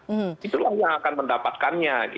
itulah yang akan mendapatkannya